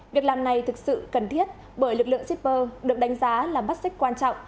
việc làm này thực sự cần thiết bởi lực lượng shipper được đánh giá là mắt xích quan trọng